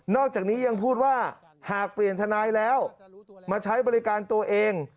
อกจากนี้ยังพูดว่าหากเปลี่ยนทนายแล้วมาใช้บริการตัวเอง